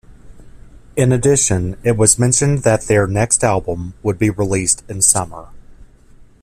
In addition, it was mentioned that their next album would be released in summer.